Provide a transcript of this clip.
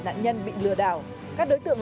nạn nhân bị lừa đảo các đối tượng